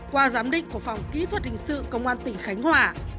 qua giám định của phòng kỹ thuật hình sự công an tỉnh khánh hòa